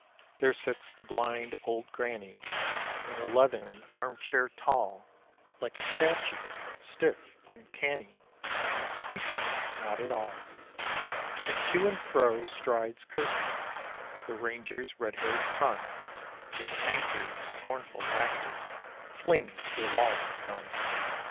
There sits the blind old granny, In the leathern arm chair tall, Like a statue, stiff, uncanny And speaketh not at all. And to and fro strides, cursing, The ranger's red haired son, With angry, scornful laughter Flings to the wall his gun.